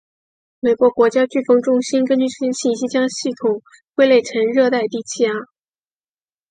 美国国家飓风中心根据这些信息将系统归类成热带低气压。